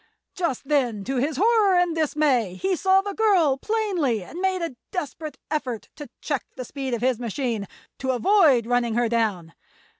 Just then, to his horror and dismay, he saw the girl plainly and made a desperate effort to check the speed of his machine—to avoid running her down.